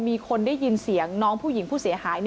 มีคนได้ยินเสียงน้องผู้หญิงผู้เสียหาย